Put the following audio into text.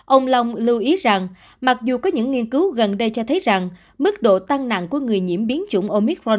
ông long lưu ý rằng mặc dù có những nghiên cứu gần đây cho thấy rằng mức độ tăng nặng của người nhiễm biến chủng omitfor